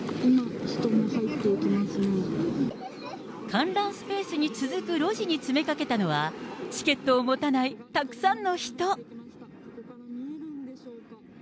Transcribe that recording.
観覧スペースに続く路地に詰めかけたのは、チケットを持たないたくさんの人。